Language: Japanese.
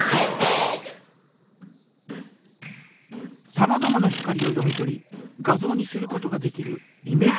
さまざまな光を読み取り画像にすることができる